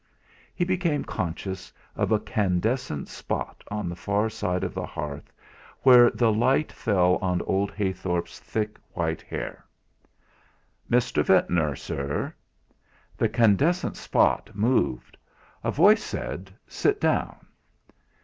He became conscious of a candescent spot on the far side of the hearth, where the light fell on old Heythorp's thick white hair. "Mr. Ventnor, sir." The candescent spot moved. A voice said: "Sit down."